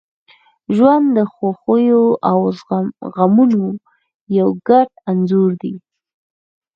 • ژوند د خوښیو او غمونو یو ګډ انځور دی.